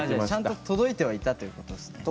ちゃんと届いてはいたということですね。